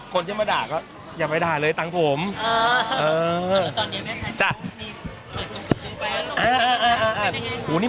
คนที่มาด่าก็อย่าไปด่าเลยตังค์ผม